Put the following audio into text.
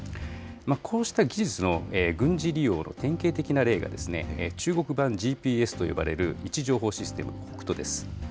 こうした技術の軍事利用の典型的な例が、中国版ＧＰＳと呼ばれる位置情報システム、北斗です。